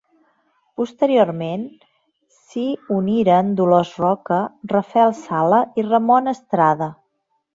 Posteriorment s’hi uniren Dolors Roca, Rafael Sala i Ramon Estrada.